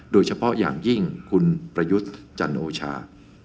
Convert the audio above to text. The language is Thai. โดยเฉพาะอย่างยิ่งคุณประยุทธ์จันโอชา